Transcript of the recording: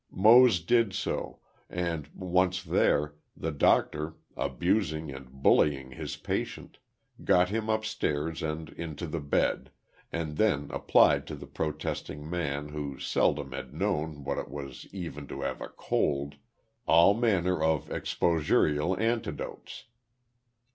Mose did so; and once there, the doctor, abusing and bullying his patient, got him upstairs and into the bed, and then applied to the protesting man who seldom had known what it was even to have a cold, all manner of exposurial antidotes.